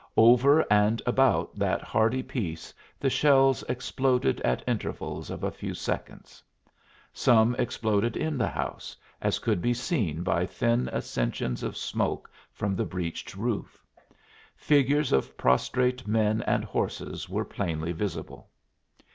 Over and about that hardy piece the shells exploded at intervals of a few seconds. Some exploded in the house, as could be seen by thin ascensions of smoke from the breached roof. Figures of prostrate men and horses were plainly visible.